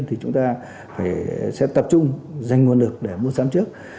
thì chúng ta sẽ tập trung dành nguồn lực để mua sắm trước